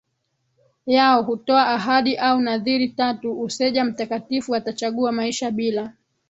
yao hutoa ahadi au nadhiri tatu Useja mtakatifu atachagua maisha bila